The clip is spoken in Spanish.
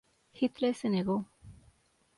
Hitler se negó.